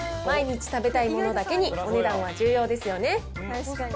毎日食べたいものだけに、お値段は重要ですよね。